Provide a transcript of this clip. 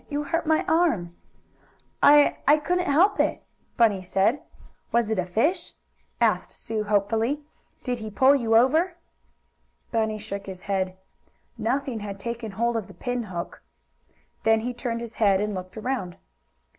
"You hurt my arm!" "I I couldn't help it," Bunny said. "Was it a fish?" asked Sue, hopefully, "Did he pull you over?" Bunny shook his head. Nothing had taken hold of the pin hook. Then he turned his head and looked around.